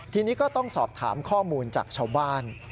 ทีนี้ก็ต้องสอบถามข้อมูลจากชาวบ้าน